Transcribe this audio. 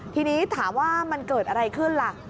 ทีนี้ถามว่ามันเกิดอะไรขึ้นล่ะ